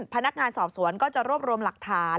พนักงานสอบสวนก็จะรวบรวมหลักฐาน